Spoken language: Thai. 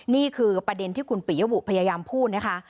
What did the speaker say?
นี่คือประเด็นที่คุณปิยบุพยายามพูดนะคะ